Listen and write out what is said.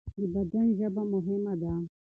د بدن ژبه مهمه ده.